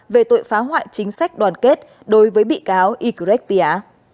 về tội phá hoại chính sách đoàn kết đối với bị cáo ycret bia